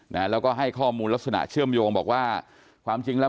นะแล้วก็ให้ข้อมูลลักษณะเชื่อมโยงบอกว่าความจริงแล้ว